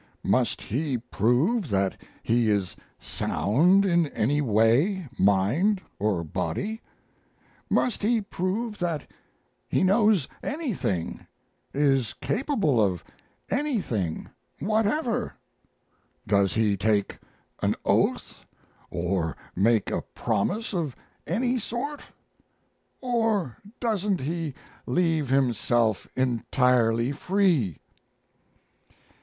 Must he prove that he is sound in any way, mind or body? Must he prove that he knows anything is capable of anything whatever? Does he take an oath or make a promise of any sort? or doesn't he leave himself entirely free?